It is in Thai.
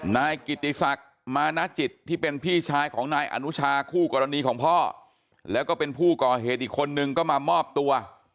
นายกิติศักดิ์มานาจิตที่เป็นพี่ชายของนายอนุชาคู่กรณีของพ่อแล้วก็เป็นผู้ก่อเหตุอีกคนนึงก็มามอบตัว